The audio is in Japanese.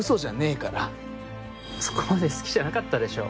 そこまで好きじゃなかったでしょ。